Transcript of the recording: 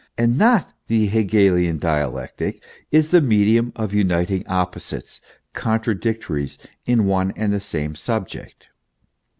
23 and not the Hegelian dialectic, is the medium of uniting op posites, contradictories, in one and the same subject.